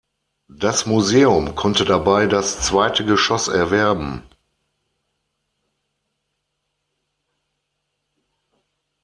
Das Museum konnte dabei das zweite Geschoss erwerben.